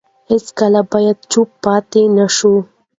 هیڅکله باید چوپ پاتې نه شو.